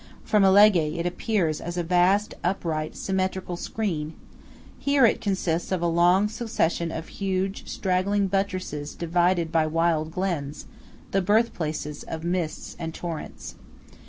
From Alleghe it appears as a vast, upright, symmetrical screen–here it consists of a long succession of huge, straggling buttresses divided by wild glens, the birthplaces of mists and torrents.